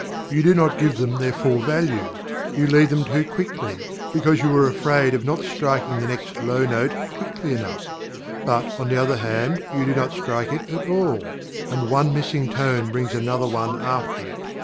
You do not give them their full value; you leave them too quickly, because you are afraid of not striking the next low note quickly enough; but, on the other hand, you do not strike it at all, and one missing tone brings another one after it.